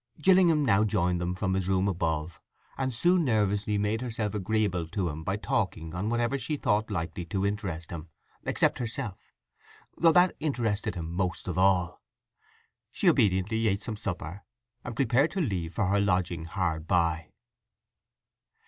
Gillingham now joined them from his room above, and Sue nervously made herself agreeable to him by talking on whatever she thought likely to interest him, except herself, though that interested him most of all. She obediently ate some supper, and prepared to leave for her lodging hard by.